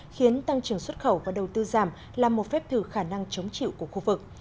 khiến tăng trưởng xuất khẩu và đầu tư giảm là một phép thử khả năng chống chịu của khu vực